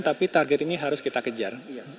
tapi target ini harus kita kejar